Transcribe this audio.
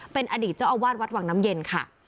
เป็นอดีตเจ้าอาวาสวัดวังน้ำเย็นค่ะ